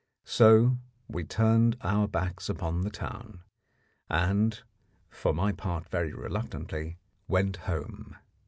So we turned our backs upon the town, and, for my part very reluctantly, went home.